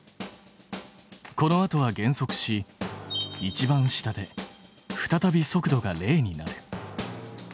このあとは減速しいちばん下で再び速度が０になる。